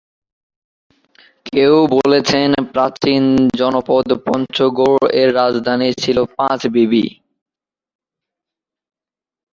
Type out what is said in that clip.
কেউ বলেছেন প্রাচীন জনপদ পঞ্চগৌড় এর রাজধানী ছিল পাঁচবিবি।